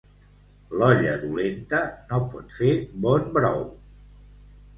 L'olla dolenta no pot fer bon brou.